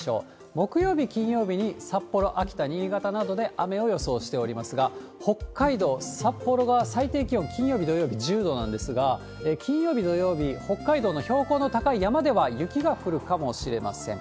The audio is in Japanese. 木曜日、金曜日に、札幌、秋田、新潟などで雨を予想しておりますが、北海道札幌が最低気温、金曜日、土曜日、１０度なんですが、金曜日、土曜日、北海道の標高の高い山では雪が降るかもしれません。